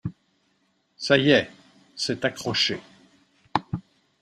Ca y est… c’est accroché…